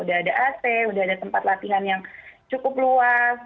udah ada ac sudah ada tempat latihan yang cukup luas